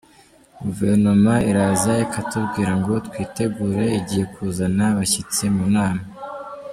Guverinoma iraza ikatubwira ngo twitegure igiye kuzana abashyitsi mu nama.